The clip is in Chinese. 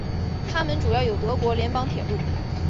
它们主要由德国联邦铁路。